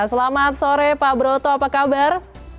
selamat sore pak broto apa kabar